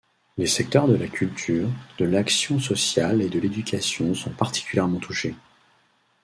Les secteurs de la culture, de l'action sociale et de l'éducation sont particulièrement touchés.